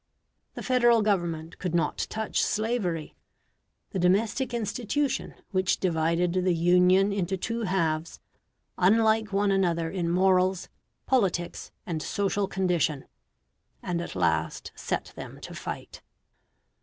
The Federal Government could not touch slavery the "domestic institution" which divided the Union into two halves, unlike one another in morals, politics, and social condition, and at last set them to fight.